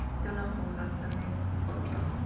Existe una fundación en Oporto que lleva su nombre.